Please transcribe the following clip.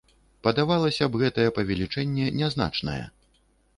Падавалася б, гэтае павелічэнне нязначнае.